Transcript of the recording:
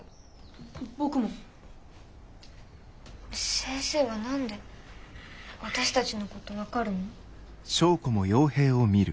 先生は何で私たちのこと分かるの？